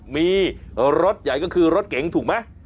มีรถใหญ่ก็คือรถเก๋งถูกไหม